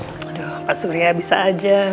waduh pak surya bisa aja